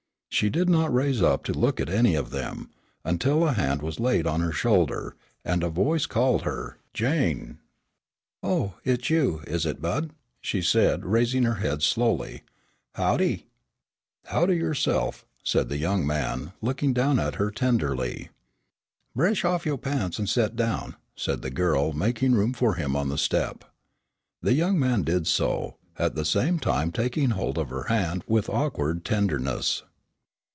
She did not raise up to look at any of them, until a hand was laid on her shoulder, and a voice called her, "Jane!" "Oh, hit's you, is it, Bud," she said, raising her head slowly, "howdy?" "Howdy yoreself," said the young man, looking down at her tenderly. "Bresh off yore pants an' set down," said the girl making room for him on the step. The young man did so, at the same time taking hold of her hand with awkward tenderness.